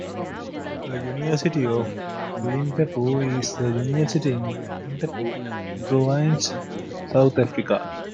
The University of Limpopo is a university in the Limpopo Province, South Africa.